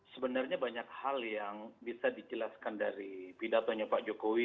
sebenarnya banyak hal yang bisa dijelaskan dari pidatonya pak jokowi